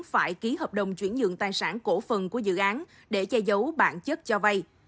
phải ký hợp đồng chuyển dựng tài sản cổ phần của dự án để che giấu bản chất cho vay